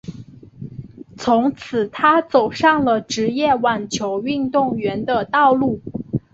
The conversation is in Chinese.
从此她走上了职业网球运动员的道路。